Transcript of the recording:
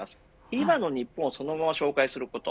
今の日本をそのまま紹介すること。